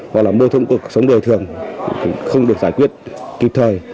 hoặc là mô thuẫn cuộc sống đời thường không được giải quyết kịp thời